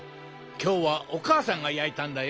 きょうはおかあさんがやいたんだよ。